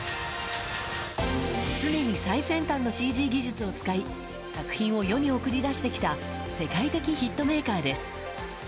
常に最先端のＣＧ技術を使い作品を世に送り出してきた世界的ヒットメーカーです。